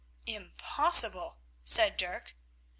"Impossible!" said Dirk.